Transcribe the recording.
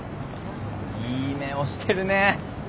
いい目をしてるね。